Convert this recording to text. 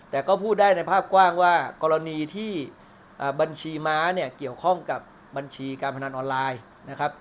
แต่ก็พูดได้ในภาพกว้างว่ากรณีที่บัญชีม้าเนี่ยเกี่ยวข้องกับบัญชีการพนันออนไลน์นะครับ